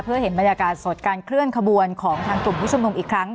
เพื่อเห็นบรรยากาศสดการเคลื่อนขบวนของทางกลุ่มผู้ชมนุมอีกครั้ง